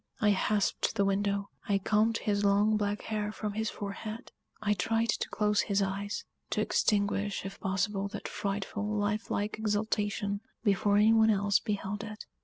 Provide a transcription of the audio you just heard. I hasped the window; I combed his long, black hair from his forehead; I tried to close his eyes to extinguish, if possible, that frightful, lifelike exultation, before any one else beheld it.